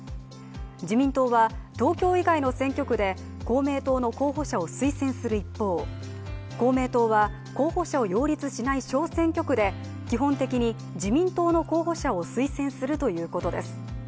自民党は、東京以外の選挙区で公明党の候補者を推薦する一方公明党は候補者を擁立しない小選挙区で基本的に自民党の候補者を推薦するということです。